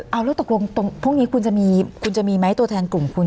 แล้วตกลงพวกนี้คุณจะมีไหมตัวแทนกลุ่มคุณ